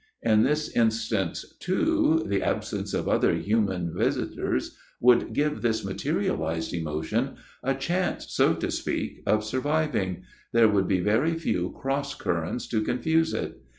In this instance, too, the absence of other human i9 <aooo) 282 A MIRROR OF SHALOTT visitors would give this materialized emotion a chance, so to speak, of surviving : there would be very few cross currents to confuse it.